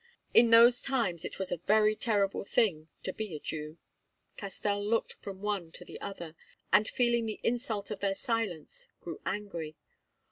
In those times it was a very terrible thing to be a Jew. Castell looked from one to the other, and, feeling the insult of their silence, grew angry.